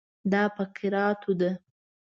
دا په کراتو ده.